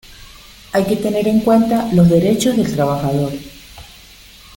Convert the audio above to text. Hay que tener en cuenta los derechos del trabajador.